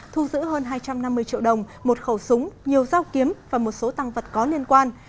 thu giữ hơn hai trăm năm mươi triệu đồng một khẩu súng nhiều dao kiếm và một số tăng vật có liên quan